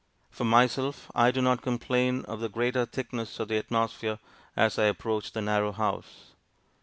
For myself, I do not complain of the greater thickness of the atmosphere as I approach the narrow house.